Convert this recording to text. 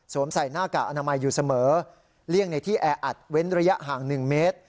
ใส่หน้ากากอนามัยอยู่เสมอเลี่ยงในที่แออัดเว้นระยะห่าง๑เมตร